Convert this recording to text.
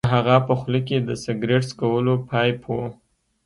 د هغه په خوله کې د سګرټ څکولو پایپ و